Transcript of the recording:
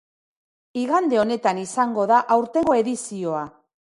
Igande honetan izango da aurtengo edizioa.